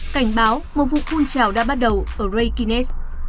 cảnh báo một vụ phun trào đã bắt đầu ở rakinas